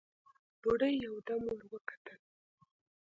بوډۍ يودم ور وکتل: